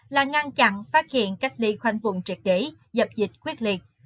là ngăn chặn phát hiện cách ly khoanh vùng triệt để dập dịch quyết liệt